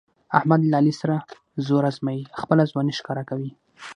احمد له علي سره زور ازمیي، خپله ځواني ښکاره کوي.